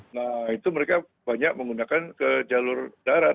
nah itu mereka banyak menggunakan ke jalur darat